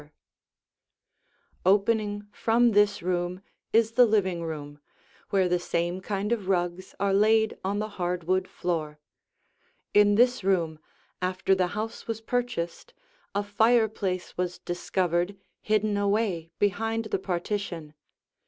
[Illustration: The Living Room] Opening from this room is the living room, where the same kind of rugs are laid on the hardwood floor. In this room, after the house was purchased, a fireplace was discovered hidden away behind the partition.